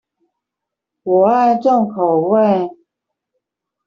我愛重口味